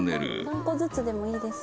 何個ずつでもいいです。